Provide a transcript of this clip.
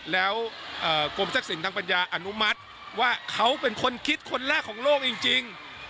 แล้วกรมทรัพย์สินทางปัญญาอนุมัติว่าเขาเป็นคนคิดคนแรกของโลกจริง